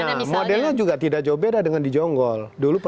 ya modelnya juga tidak jauh beda dengan di jonggol